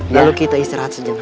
lalu kita istirahat sejenak